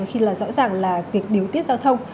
khi là rõ ràng là việc điều tiết giao thông